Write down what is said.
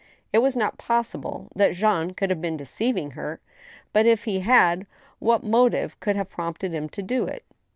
It was not possible that Jean could have been deceiving her. But if he had, what motive could have prompted him to do it